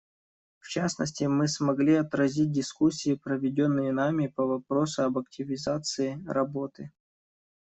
В частности, мы смогли отразить дискуссии, проведенные нами по вопросу об активизации работы.